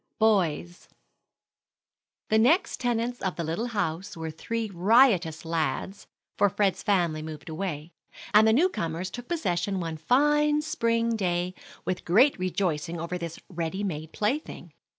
II. BOYS. The next tenants of the little house were three riotous lads, for Fred's family moved away, and the new comers took possession one fine spring day with great rejoicing over this ready made plaything.